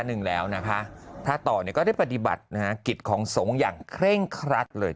หนึ่งแล้วนะคะพระต่อเนี่ยก็ได้ปฏิบัตินะฮะกิจของสงฆ์อย่างเคร่งครัดเลย